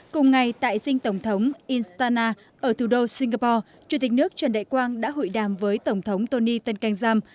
cùng ngày tại dinh tổng thống istana ở thủ đô singapore chủ tịch nước trần đại quang đã hội đàm với tổng thống tony tengkengsam